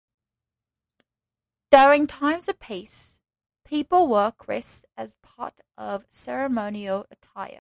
During times of peace, people wore kris as part of ceremonial attire.